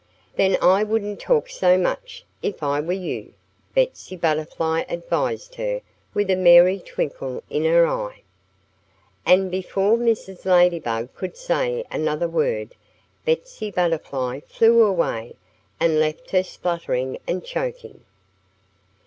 "Then I wouldn't talk so much, if I were you," Betsy Butterfly advised her with a merry twinkle in her eye. And before Mrs. Ladybug could say another word Betsy Butterfly flew away and left her spluttering and choking.